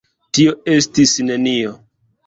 Tio estis nenio!